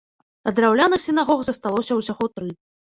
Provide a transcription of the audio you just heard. А драўляных сінагог засталося ўсяго тры.